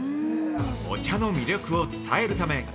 ◆お茶の魅力を伝えるため